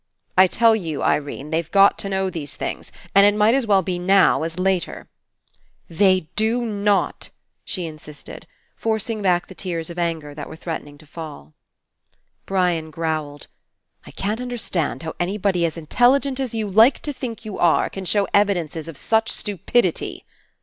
"I tell you, Irene, they've got to know these things, and it might as well be now as later." "They do not!" she insisted, forcing 192 FINALE back the tears of anger that were threatening to fall. Brian growled : "I can't understand how anybody as intelligent as you like to think you are can show evidences of such stupidity."